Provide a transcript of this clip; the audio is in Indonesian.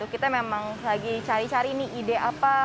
kita memang lagi cari cari nih ide apa